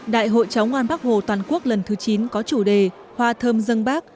đại hội chóng hoan bắc hồ toàn quốc lần thứ chín có chủ đề hoa thơm dân bắc